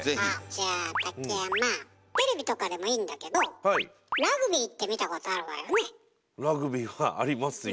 じゃあ竹山テレビとかでもいいんだけどラグビーはいありますよ。